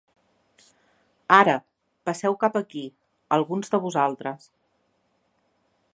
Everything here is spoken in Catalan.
Ara, passeu cap aquí, alguns de vosaltres.